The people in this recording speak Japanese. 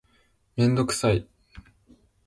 メンドクサイ